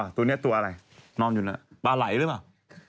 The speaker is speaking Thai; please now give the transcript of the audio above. ตัวนี้ตัวอะไรนอนอยู่ปลาไหลหรือเปล่า